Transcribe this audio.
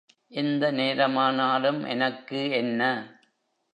எந்த நேரமானாலும் எனக்கு என்ன?